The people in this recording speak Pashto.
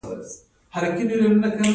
بریالیتوب د خدای لخوا دی